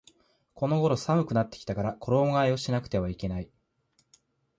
この頃寒くなってきたから衣替えをしなくてはいけない